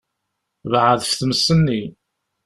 Beεεed ɣef tmes-nni.